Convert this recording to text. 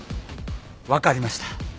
分かりました。